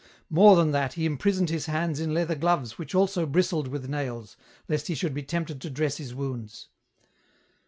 More than that, he imprisoned his hands in leather gloves which also bristled with nails, lest he should be tempted to dress his wounds.